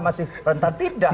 masih rentan tidak